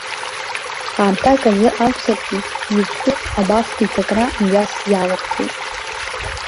Аамҭак азы акәзаргьы, Иусуф абахҭа иҭакра мҩас иалырхит.